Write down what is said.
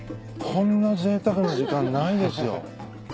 こんなぜいたくな時間ないですよ。